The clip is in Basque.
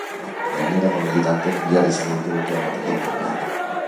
Gainerako militanteek bihar izango dute botoa emateko aukera.